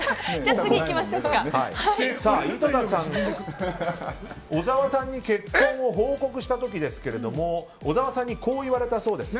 井戸田さん、小沢さんに結婚を報告した時ですが小沢さんにこう言われたそうです。